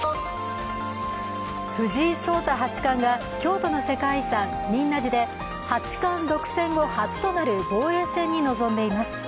藤井聡太八冠が京都の世界遺産、仁和寺で八冠独占後初となる防衛戦に臨んでいます。